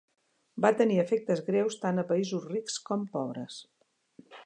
Va tenir efectes greus tant a països rics com pobres.